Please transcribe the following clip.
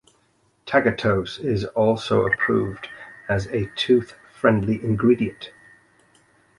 Tagatose is also approved as a tooth-friendly ingredient.